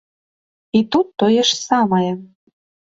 І тут тое ж самае.